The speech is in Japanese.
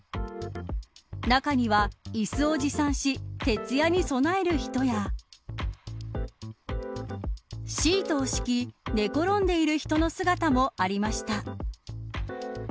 中には、いすを持参し徹夜に備える人やシートを敷き、寝転んでいる人の姿もありました。